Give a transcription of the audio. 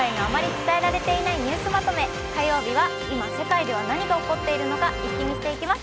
火曜日は、今世界では何が起こっているのかイッキ見していきます。